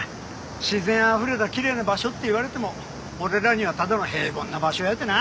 自然あふれたきれいな場所って言われても俺らにはただの平凡な場所やでな。